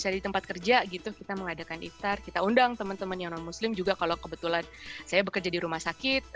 saya di tempat kerja gitu kita mengadakan iftar kita undang teman teman yang non muslim juga kalau kebetulan saya bekerja di rumah sakit